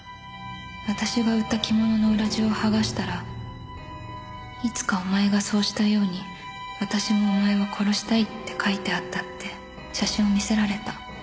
「私が売った着物の裏地を剥がしたら“いつかおまえがそうしたようにあたしもおまえを殺したい。”って書いてあったって写真を見せられた」